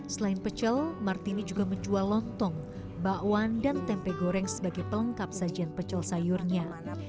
selain pecel martini juga menjual lontong bakwan dan tempe goreng sebagai pelengkap sajian pecel sayurnya